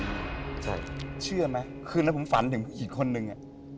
ผมเอากระดูกน้องแอมมาที่นี่นะครับเชื่อไหมคืนนั้นผมฝันถึงผู้หญิงคนหนึ่ง